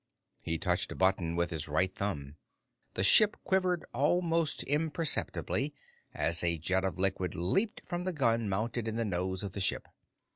He touched a button with his right thumb. The ship quivered almost imperceptibly as a jet of liquid leaped from the gun mounted in the nose of the ship.